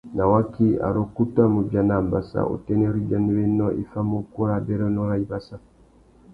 Nà waki, ari ukutu a mú biana ambassa, utênê râ ibianéwénô i famú ukú râ abérénô râ ibassa.